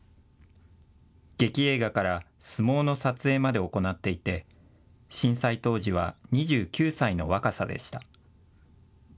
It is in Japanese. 劇映画から相撲の撮影まで行っていて震災当時は２９歳の若さでした。